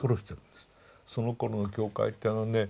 そのころの教会ってあのね